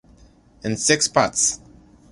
In Six Parts.